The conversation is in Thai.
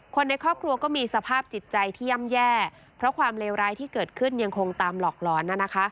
คนในครอบครัวก็มีสภาพจิตใจที่ย่ำแย่เพราะความเลวร้ายที่เกิดขึ้นยังคงตามหลอกหลอน